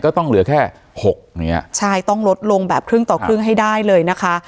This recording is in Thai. ต้องเหลือแค่หกอย่างเงี้ยใช่ต้องลดลงแบบครึ่งต่อครึ่งให้ได้เลยนะคะ